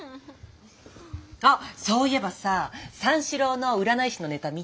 あっそういえばさ三四郎の占い師のネタ見た？